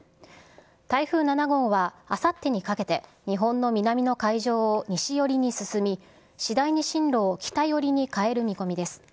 台風７号はあさってにかけて日本の南の海上を西寄りに進み、次第に進路を北寄りに変える見込みです。